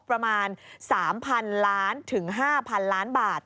ประมาณ๓๐๐๐ล้านถึง๕๐๐๐ล้านบาท